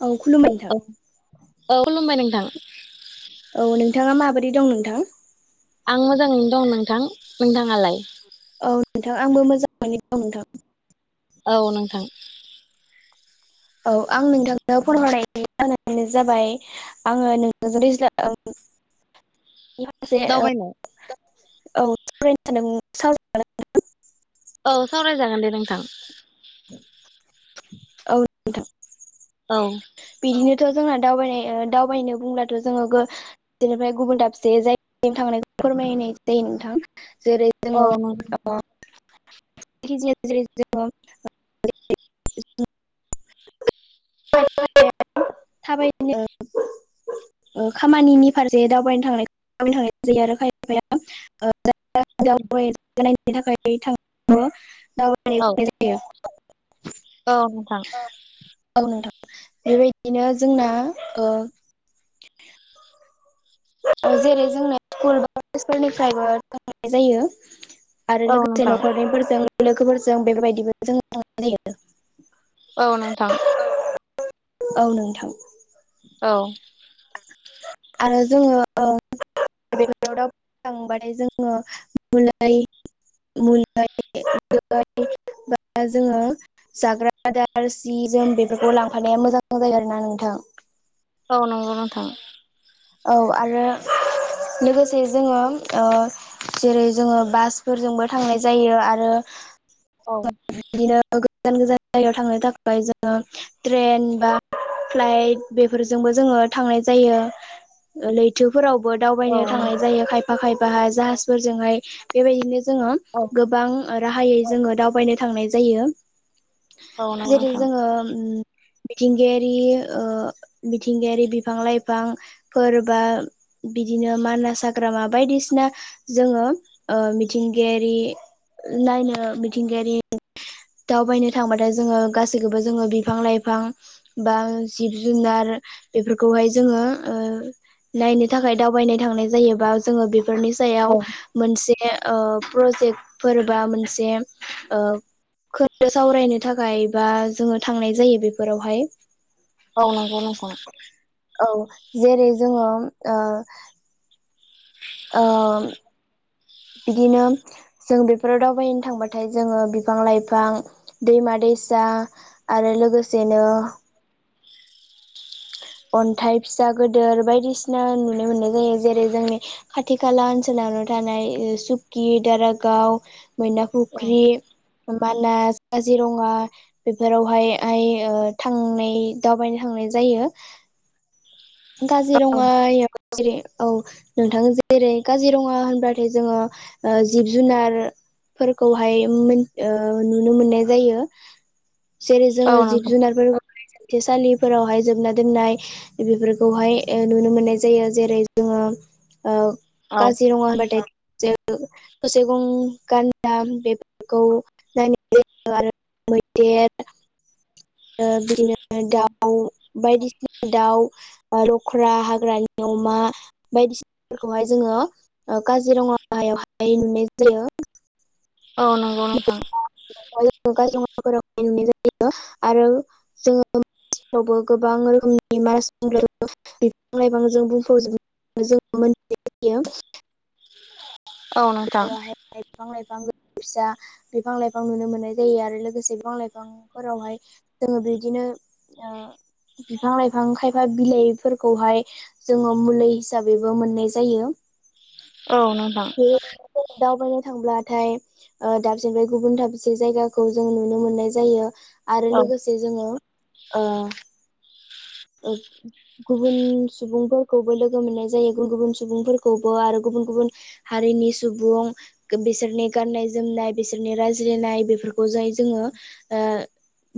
औ खुलुमबाय नोंथां औ-औ-औ खुलुमबाय नोंथां औ नोंथाङा माबोरै दं नोंथां आं मोजाङैनो दं नोंथां नोंथाङालाय औ नोंथां आंबो मोजाङैनो दं नोंथां औ नोंथां औ आं नोंथांनो फन हरनायनि जाहोनानो जाबाय आङो नों [unintelligible] औ सावरायनो सानदोंमोन दावबायनाय सावराय जागोनना नोंथां औ सावरायजागोन दे नोंथां औ दे नोंथां औ बिदिनोथ' जोंना दावबायनाय दावबायनो बुंब्लाथ' जोङो बिनिफ्राय गुबुन दाबसे जायगायाव थांनानै फोरमायनाय जायो नोंथां जेरै औ जोङो नंगौ [unintelligible] [unintelligible] थाबायनो खामानिनि फारसे दावबायनो थां थां जायो आरो खायफाया औ [unintelligible] [unintelligible] औ नोंथां औ नोंथां बेबायदिनो जोंना जेरै जोंनो स्कुल बा कलेजफोरनिफ्रायबो थांनाय जायो आरो औ लोगोसे नोंथां न'खरनिफोरजों लोगोफोरजों बेबायदिबो जों जायो औ नोंथां औ नोंथां औ आरो जोङो बेाव दावखांबाथाय जोङो मुलाय [unintelligible] मोन बा जोङो जाग्रा आदार सि जोम बेफोरखौ लांफानाया मोजां जायो आरोना नोंथां ओ नंगौ नोंथां औ आरो लोगोसे जोङो जेरै जोङो बासफोरजोंबो थांनाय जायो आरो औ बिदिनो गोजान गोजान जायगायाव थांनो थाखाय जोङो ट्रेन बा फ्लाइट बेफोरजोंबो जोङो थांनाय जायो लैथोफोरावबो औ दावबायनो थांनाय नोंथां जायो खायफा खायफाहाय जाहाजफोरजोंहाय बेबायदिनो जो औ गोबां राहायै जोङो दावबायनो थांनाय जायो औ नंगौ जेरै नोंथां जोङो मिथिंगायारि मिथिंगायारि बिफां लाइफां फोरबा बिदिनो मानास हाग्रामा बायदिसिना जोङो मिथिंगायारि नायनो मिथिंगायारि दावबायनो थांबाथाय जोङो गासैखौबो जोङो बिफां लाइफां बा जिब जुनार बेफोरखौहाय जोङो ओ नायनो थाखाय दावबायनाय थांनाय जायोबा जोङो बेफोरनि औ सायाव मोनसे ओ प्रजेक्टफोर बा मोनसे ओ खोनदो सावरायनो थाखाय बा जोङो थांनाय जायो बेफोरावहाय अ नांगौ नंगौ औ जेरै जोङो ओ बिदिनो जों बेफोराव दावबायनो थांबाथाय जोङो बिफां लाइफां दैमा दैसा आरो लोगोसेनो अनथाइ फिसा गिदोर बायदिसिना नुनो मोननाय जायो जेरै जोंनि खाथि खाला ओनसोलावनो थानाय सुकि दारागाव मैना फुख्रि मानास काजिरङा बेफोरावहाय आइ थांनाय दावबायनो थांनाय जायो काजिरङा जेरै औ नोंथां जेरै काजिरङा होनबाथाय जोङो ओ जिब जुनार फोरखौहाय मो ओ नुनो मोननाय जायो जेरै औ जोङो जिब नोंथां जुनार [unintelligible] जोबथे सालिफोरावहाय जोबना दोननाय बेफोर खौहाय नुनो मोननाय जायो जेरै जोङो औ काजिरङा ओ होनबाथाय जे थसे गं गानदा बे [unintelligible] आरो मैदेर ओ बिदिनो औ दाउ बायदिसिना दाउ लख्रा हाग्रानि अमा बायदिसिनाफोरखौहाय जोङो काजिरङायावहाय नुनाय जायो औ नंगौ नोंथां काजिरङाफोराव नुनाय जायो आरो जोङो आफ्रावबो गोबां रोखोमनि मानासब्ला [unintelligible] बिफां लाइफांजों बुंफावजोबनाय जों मोनथियो औ नोंथां [unintelligible] बिफां लाइफां फिसा बिफां लाइफां नुनो मोननाय जायो आरो लोगोसे बिफां लाइफां फोरावहाय जोङो बिदिनो ओ बिफां लाइफां खायफा बिलाइफोरखौहाय जोङो मुलि हिसाबैबो मोननाय जायो औ नोंथां बे दावबायनो थांब्लाथाय दाबसेनिफ्राय गुबुन दाबसे जायगाखौ जों नुनो मोननाय जायो आरो औ लोगोसे जोङो ओ ओ [inaudible] गुबुन सुबुंफोरखौबो लोगो मोननाय जायो गुबुन गुबुन सुबुंफोरखौबो आरो गुबुन गुबुन हारिनि सुबुं बिसोरनि गाननाय जोमनाय बिसोरनि रायज्लायनाय बेफोरखौ जाय जोङो ओ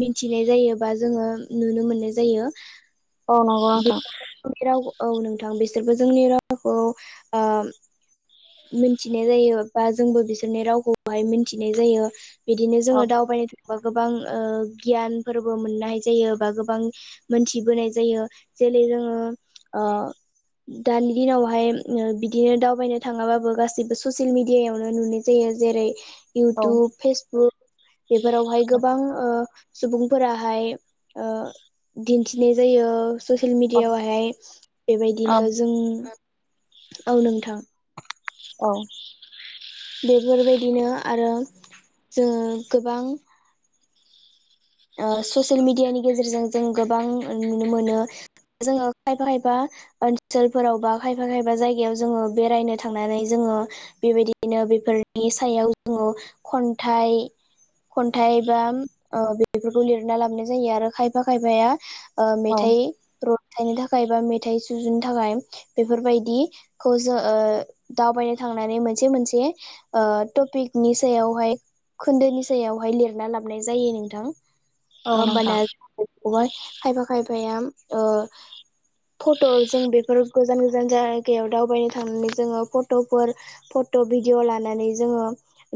मिथिनाय जायो बा जोङो नुनो मोननाय जायो ओ नंगौ नोंथां जों राव औ नोंथां बिसोरबो जोंनि रावखौ आ मिनथिनाय जायो बा जोंबो बिसोरनि रावखौहाय मिनथिनाय जायो बिदिनो औ जोङो दावबायनो थांबा गोबां ओ गियानफोरबो मोननाय जायो बा गोबां मोनथिबोनाय जायो जेरै जोङो आ दानि दिनावहाय बिदिनो दावबायनो थाङाबाबो गाससिबो ससियेल मिडियाायावनो नुनाय जायो जेरै औ इउटुब फेसबुक बेफोरावहाय गोबां ओ सुबुंफोराहाय ओ दिन्थिनाय जायो ससियेल मिडियावहाय औ बेबायदिनो जों औ नोंथां औ। बेफोरबायदिनो आरो जोङो गोबां ससियेल मेडियानि गेजेरजों जों गोबां नुनो मोनो जोङो खायफा खायफा। ओनसोलफोराव बा खायफा खायफा जायगायाव जोङो बेरायनो थांनानै जोङो। बेबायदिनो बेफोरनि सायाव जोङो खन्थाइ खन्थाइ बा बेफोरखौ लिरना लाबोनाय जायो आरो खायफा खायफाया मेथाइ मेथाइनि थाखाय बा मेथाइ सुजुनो थाखाय बेफोरबायदि खौ जों दावबायनो थांनानै मोनसे मोनसे टपिकनि सायावहाय खोन्दोनि सायावहाय लिरना लाबनाय जायो नोंथां। औ होमबाना नोंथां जाय खायफा खायफाया ओ फट' जों बेफोर गोजान गोजान जायगायाव दावबायनो थांनानै जोङो फट'फोर फट' भिडिअ लानानै जोङो।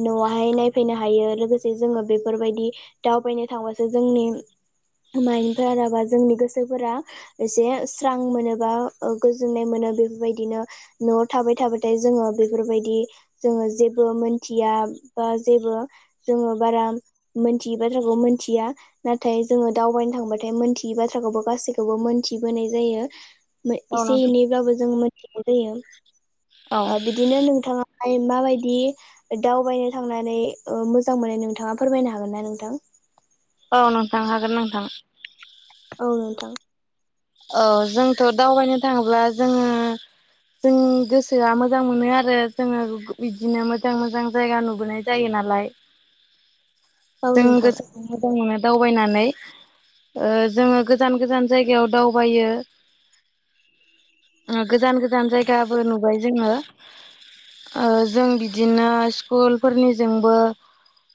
न'आवहाय नायफैनो हायो लोगोसे जोङो बेफोरबायदि दावबायनो थांबासो जोंनि। माइफोराबा जोंनि गोसोफोरा एसे स्रां मोनोबा गोजोननाय मोनो बेफोर बायदिनो न'आव थाबाय थाबाथाय जोङो बेफोरबायदि जोङो जेबो मोनथिया बा जेबो जोङो बारा मोनथियै बाथ्राखौ मोनथिया। नाथाय जोङो दावबायनो थांबाथाय मोनथियै बाथ्राखौबो गासैखौबो मोनथिबोनाय जायो। औ एसे नोंथां एनैब्लाबो जों मोनथिनाय जायो औ आ बिदिनो नोंथाङा [unintelligible] मा बायदि दावबायनो थांनानै मोजां मोननाय नोंथाङा फोरमायनो हागोनना नोंथां। औ नोंथां हागोन नोंथां औ नोंथां। औ जोंथ' दावबायनो थाङोब्ला जोङो। जों गोसोआ मोजां मोनो आरो जोङो बिदिनो मोजां मोजां जायगा नुबोनाय। जायो नालाय औ जों नोंथां गोस मोजां मोनो दावबायनानै जोङो गोजान गोजान जायगायाव दावबायो। गोजान गोजान जायगाबो नुबाय जोङो। जों बिदिनो स्कुलफोरनिजोंबो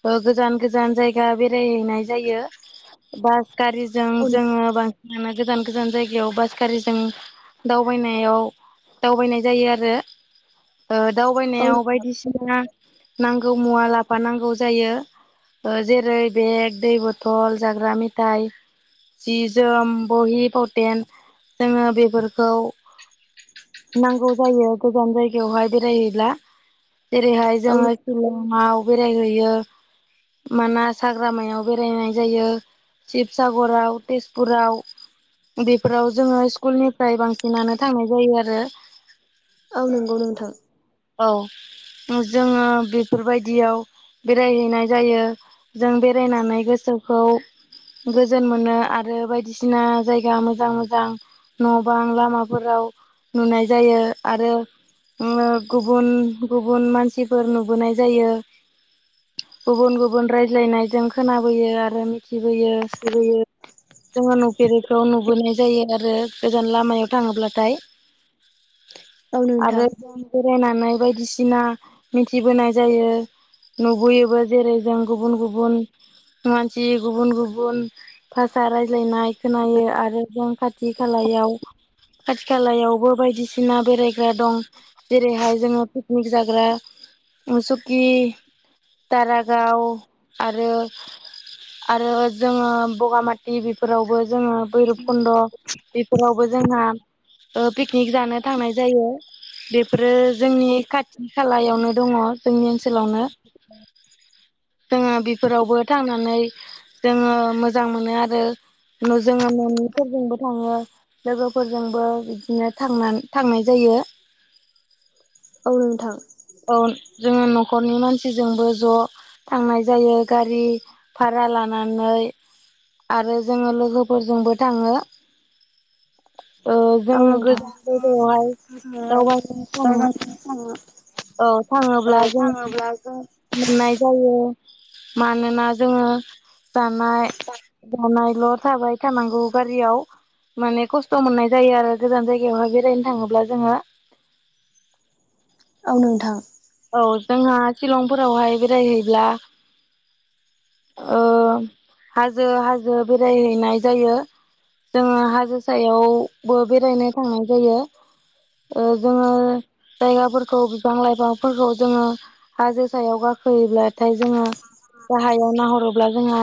गोजान गोजान जायगा बेरायहैनाय जायो बास गारिजों जोङो बांसिनानो गोजान गोजान जायगायाव बास गारिजों दावबायनायाव दावबायनाय जायो आरो। औ दावबायनायाव बायदिसिना नांगौ मुवा लाफा नांगौ जायो जेरै बेग दै बथल जाग्रा मेथायाइ जि जोम बहि फावथेन जोङो बेफोरखौ नांगौ जायो गोजान जायगायावहाय बेरायहैब्ला जेरैहाय औ जोङो। सिलङाव बेरायहैयो माना हाग्रामायाव बेरायनाय जायो शिबसागराव तेजपुराव बेफोराव जोङो स्कुलनिफ्राय बांसिनानो थांनाय जायो आरो। औ नंगौ नोंथां। औ जोङो बेफोरबायदियाव बेरायहैनाय जायो। जों बेरायनानै गोसोखौ गोजोन मोनो आरो बायदिसिना बायदिसिना जायगा मोजां मोजां न' बां लामाफोराव नुनाय जायो आरो गुबुन गुबुन मानसिफोर नुबोनाय जायो। गुबुन गुबुन रायज्लायनायजों खोनाबोयो आरो मिथिबोयो बियो जोङो नुफेरिखौ नुबोनाय जायो आरो गोजान लामायाव थाङोब्लाथाय औ नोंथां आरो बेरायनानै बायदिसिना मिथिबोनाय जायो नुबोयोबो जेरै जों गुबुन गुबुन मानसि गुबुन गुबुन भाषा रायज्लायनाय खोनायो आरो जों खाथि खालायाव खाथि खालायावबो बायदिसिना बेरायग्रा दं जेरैहाय जोङो पिकनिक जाग्रा सुकि दारागाव आरो आरो जोङो बगामाथि बेफोरावबो जोङो भैरब खुन्द' बेफोरावबो जोंहा पिकनिक जानो थांनाय जायो बेफोरो जोंनि खाथि खालायावनो दङ जोंनि ओनसोलावनो जोङो बेफोरावबो थांनानै जोङो मोजां मोनो आरो न' जोङो न'निफोरजोंबो थाङो लोगोफोरजोंबो बिदिनो थांना थांनाय जायो औ नोंथां औ जोङो न'खरनि मानसिजोंबो ज' थांनाय जायो गारि भारा लानानै आरो जोङो लोगोफोरजोंबो थाङो ओ औ जोङो गोदान [inaudible] दावबाहैनै नोंथां थाङो औ औ थाङोब्ला जों थाङोब्ला जों मोननाय जायो मानोना जोङो जानाय जानायल' थाबाय थानांगौ गारियाव माने खस्थ' मोननाय जायो आरो गोजान जायगायावहाय बेरायनो थाङोब्ला जोङो औ नोंथां औ जोंहा शिलंफोरावहाय बेरायहैब्ला हाजो हाजो बेरायहैनाय जायो जोङो हाजो सायावबो बेरायनो थांनाय जायो। ओ जोङो जायगाफोरखौ बिफां लाइफां फोरखौ जोङो हाजो सायाव गाखोयोब्लाथाय जोङो गाहायाव नाहरोब्ला जोंहा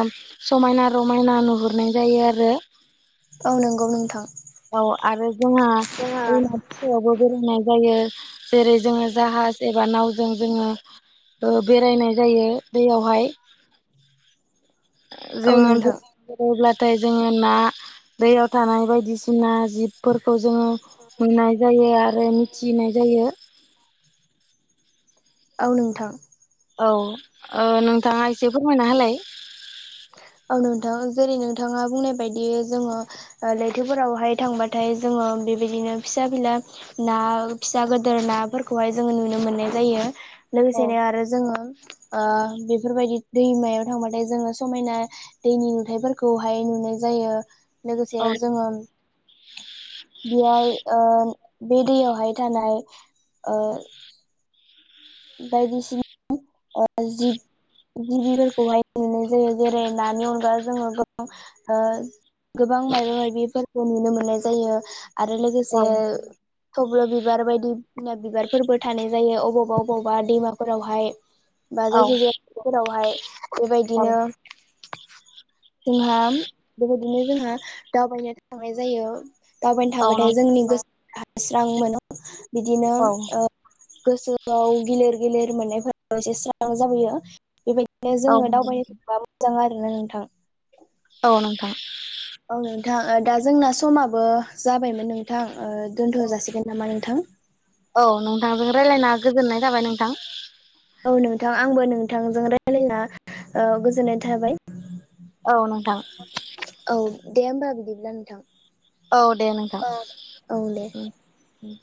समायना रमायना नुहुरनाय जायो आरो औ नोंगौ नोंथां औ आरो जोंहा जोंहा दैमा फोरावबो बेरायनाय जायो जेरै जोङो जाहाज एबा नावजों जोङो ओ बेरायनाय जायो दैयावहाय औ जोङो बे नोंथां बेरायब्लाथाय जोङो ना दैयाव थानाय बायदिसिना जिब फोरखौ जोङो मोननाय जायो आरो मिथिनाय जायो औ नोंथां। औ ओ नोंथाङा एसे फोरमायना होलाय औ नोंथां जेरै नोंथाङा बुंनाय बायदि जोङो ओ लैथोफोरावहाय थांबाथाय जोङो बेबायदिनो फिसा फिला ना फिसा गोदोर नाफोरखौहाय जोङो नुनो मोननाय जायो औ लोगोसेनो आरो जोङो ओ बेफोरबायदि दैमायाव थांबाथाय जोङो समायना दैनि नुथायाइफोरखौहाय नुनाय जायो औ लोगोसे जोङो बेहाय ओ बे दैयावहाय थानाय ओ बायदिसिन ओ जिब गिबिफोरखौहाय नुनाय जायो जेरै नानि अनगा जोङो गोबां ओ गोबां मायबा माबिफोरखौ नुनो मोननाय जायो आरो औ लोगोसे थब्ल' बिबार बायदि बिना बिबारफोरबो थानाय जायो अबावबा अबावबा दैमाफोरावहाय बा औ जायखिजाया फोरावहाय बेबायदिनो जोंहा बेबायदिनो जोंहा दावबायनो थांनाय जायो। दावबायनो औ थाबाथाय जोंनि गोसोआ स्रां मोनो बिदिनो औ ओ गोसोआव गिलिर गिलिर मोननायफोराबो एसे स्रां जाबोयो। बेबायदिनो जोङो दावबायनो थांबा मोजां आरोना नोंथां। औ नोंथां औ नोंथां दा ओ जोंना समाबो जाबायमोन नोंथां ओ दोनथ' जासिगोन नामा नोंथां? औ नोंथांजों रायलायना गोजोननाय थाबाय नोंथां। औ नोंथां आंबो नोंथांजों रायलायना ओ गोजोननाय थाबाय। औ नोंथां औ दे होमबा बिदिब्ला नोंथां। औ दे नोंथां औ दे। उम उम